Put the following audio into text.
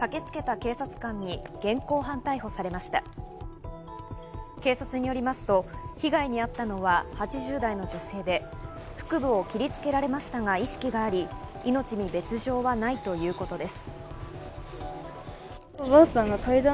警察によりますと被害にあったのは８０代の女性で、腹部を切りつけられましたが意識があり、命に別条はないということです。